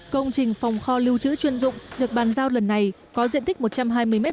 công trình phòng kho lưu trữ chuyên dụng được bàn giao lần này có diện tích một trăm hai mươi m hai